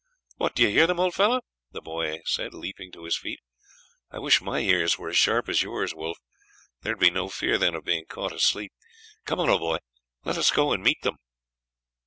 "What! do you hear them, old fellow?" the boy said, leaping to his feet. "I wish my ears were as sharp as yours are, Wolf; there would be no fear then of being caught asleep. Come on, old boy, let us go and meet them."